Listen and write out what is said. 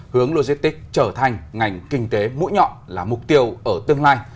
hướng logistics trở thành ngành kinh tế mũi nhọn là mục tiêu ở tương lai